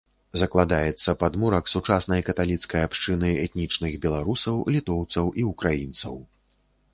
Закладаецца падмурак сучаснай каталіцкай абшчыны этнічных беларусаў, літоўцаў і ўкраінцаў.